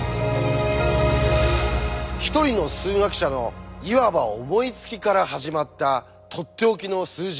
一人の数学者のいわば思いつきから始まったとっておきの数字